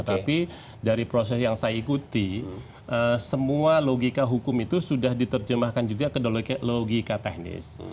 tapi dari proses yang saya ikuti semua logika hukum itu sudah diterjemahkan juga ke logika teknis